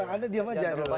anda diam aja dulu